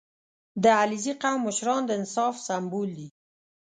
• د علیزي قوم مشران د انصاف سمبول دي.